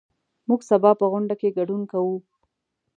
موږ سبا په غونډه کې ګډون کوو.